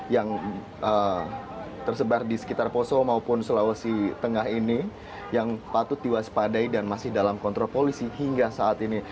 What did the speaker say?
yang tersebar di sekitar poso maupun sulawesi tengah ini yang patut diwaspadai dan masih dalam kontrol polisi hingga saat ini